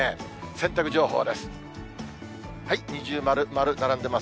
洗濯情報です。